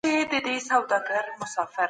د واک پر سر شخړي تل په ټولنه کي موجودي وي.